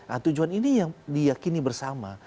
dan tujuan ini yang diyakini bersama